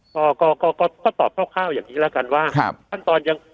ก็ก็ก็ก็ก็ก็ตอบเพราะข้าวอย่างนี้แล้วกันว่าครับขั้นตอนยัง